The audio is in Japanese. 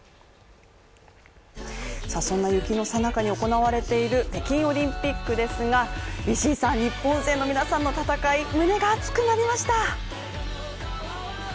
そんな雪のさなかに行われている北京オリンピックですが石井さん、日本勢の皆さんの戦い、胸が熱くなりました。